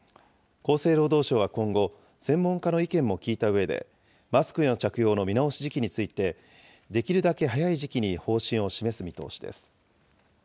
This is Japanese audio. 厚生労働省は今後、専門家の意見も聞いたうえで、マスクの着用の見直し時期について、できるだけ早い時期に方針を示す見通しです。